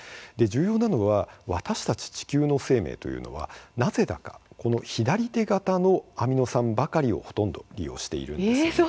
重要なのは私たち地球の生命というのはなぜだかこの左手型のアミノ酸ばかりをほとんど利用しているんですね。